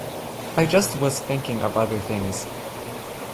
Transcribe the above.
I just was thinking of other things.